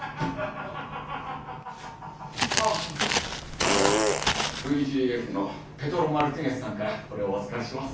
あとＶＧＦのペドロ・マルティネスさんからこれをお預かりしてます。